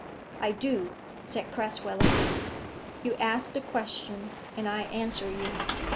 "I do," said Crasweller. "You ask the question, and I answer you.